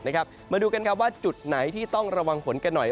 มาดูกันว่าจุดไหนที่ต้องระวังฝนกันหน่อย